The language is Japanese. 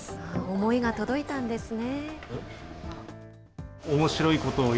思いが届いたんですね。